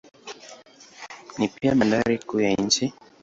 Ni pia bandari kuu ya nchi.